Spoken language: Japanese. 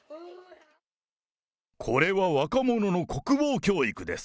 これは若者の国防教育です。